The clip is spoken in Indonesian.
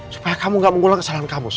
supaya kamu gak ngulang kesalahan kamu sa